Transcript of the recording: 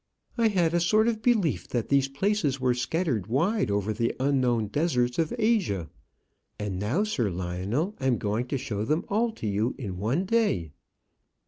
I had a sort of belief that these places were scattered wide over the unknown deserts of Asia; and now, Sir Lionel, I am going to show them all to you in one day."